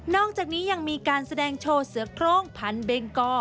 อกจากนี้ยังมีการแสดงโชว์เสือโครงพันเบงกอ